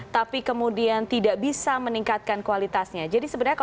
tapi kemudian tidak bisa meningkatkan kualitasnya